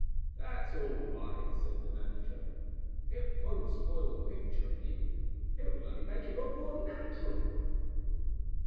"That's all right," said the manager. "It won't spoil the picture any. It will only make it look more natural."